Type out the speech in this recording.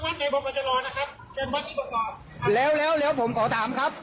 ผมวัดใหม่ครับผมขอวัดใหม่ครับแล้วแล้วแล้วผมขอถามครับ